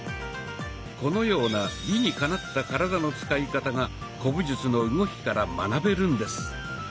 このような理にかなった体の使い方が古武術の動きから学べるんです。